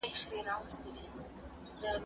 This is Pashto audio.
زه پرون کتابتون ته وم؟